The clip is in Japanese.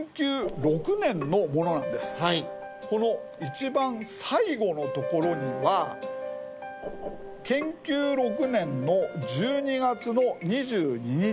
この一番最後のところには建久６年の１２月の２２日。